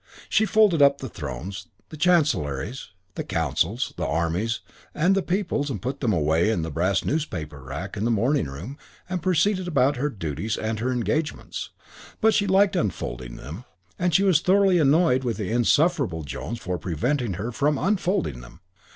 She folded up the thrones, the chancelleries, the councils, the armies and the peoples and put them away in the brass newspaper rack in the morning room and proceeded about her duties and her engagements. But she liked unfolding them and she was thoroughly annoyed with the insufferable Jones for preventing her from unfolding them.